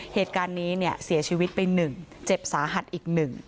เหตุการณ์นี้เนี่ยเสียชีวิตไป๑เจ็บสาหัสอีก๑